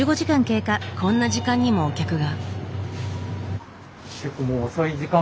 こんな時間にもお客が。